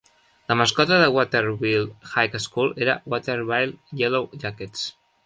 La mascota de Waterville High School era Waterville Yellow Jackets.